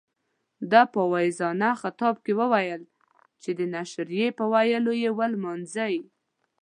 ده په واعظانه خطاب کې ویل چې د نشرې په ويلو یې ونمانځئ.